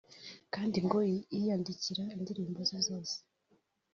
kandi ngo yiyandikira indirimbo ze zose